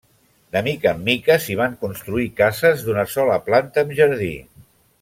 De mica en mica, s’hi van construir cases d’una sola planta amb jardí.